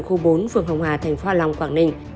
khu bốn phường hồng hà thành phố hạ long quảng ninh